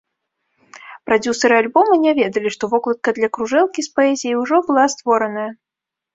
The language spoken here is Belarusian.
Прадзюсары альбома не ведалі, што вокладка для кружэлкі з паэзіяй ужо была створаная.